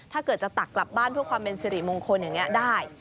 ถ้าเกิดจะตักกลับบ้านเพื่อความเป็นสิริมงคลอย่างนี้ได้